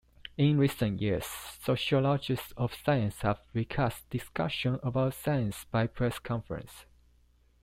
In recent years, sociologists of science have recast discussion about "science by press conference".